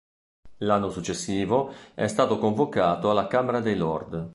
L'anno successivo, è stato convocato alla Camera dei Lord.